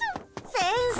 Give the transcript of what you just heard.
先生